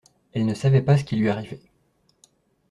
Elle ne savait pas ce qui lui arrivait.